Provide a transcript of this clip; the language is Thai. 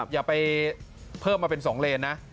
อย่าไปเพิ่มมาเป็น๒เลนนะ